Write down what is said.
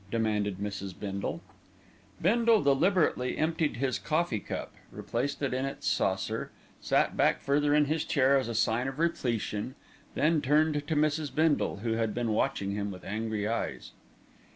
demanded Mrs. Bindle. Bindle deliberately emptied his coffee cup, replaced it in its saucer, sat back further in his chair as a sign of repletion, then turned to Mrs. Bindle, who had been watching him with angry eyes.